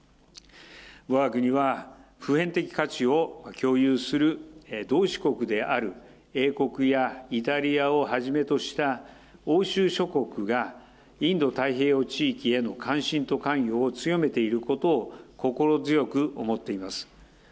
わが国は、普遍的価値を共有する同志国である英国やイタリアをはじめとした欧州諸国が、インド太平洋地域への関心と関与を強めていることを、心強く思っています。